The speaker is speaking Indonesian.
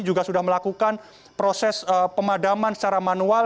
juga sudah melakukan proses pemadaman secara manual